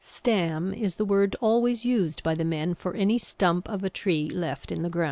"Stam" is the word always used by the men for any stump of a tree left in the ground.